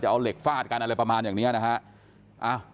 เอาเหล็กฟาดกันอะไรประมาณอย่างนี้นะฮะ